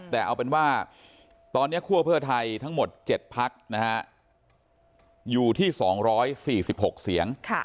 แต่เอาเป็นว่าตอนนี้คั่วเพื่อไทยทั้งหมด๗พักนะฮะอยู่ที่๒๔๖เสียง